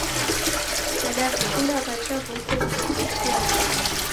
Nadaw'ikunda w'aje w'ose w'initesiagha